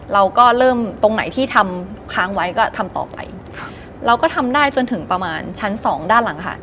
เราก็เริ่มตรงไหนที่ทำค้างไว้ก็ทำต่อไปครับเราก็ทำได้จนถึงประมาณชั้นสองด้านหลังค่ะ